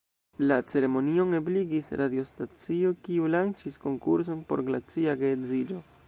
La ceremonion ebligis radiostacio, kiu lanĉis konkurson por glacia geedziĝo.